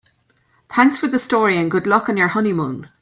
Thanks for the story and good luck on your honeymoon.